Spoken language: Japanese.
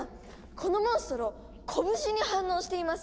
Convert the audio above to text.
このモンストロこぶしに反応しています！